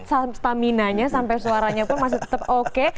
staminanya sampai suaranya pun masih tetap oke